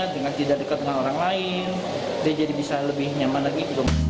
dengan tidak dekat dengan orang lain dia jadi bisa lebih nyaman lagi